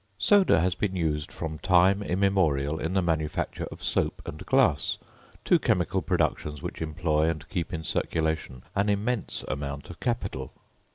Soda has been used from time immemorial in the manufacture of soap and glass, two chemical productions which employ and keep in circulation an immense amount of capital.